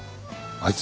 あいつ？